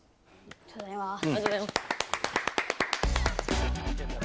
ありがとうございます。